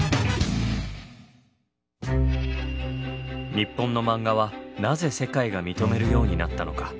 日本のマンガはなぜ世界が認めるようになったのか？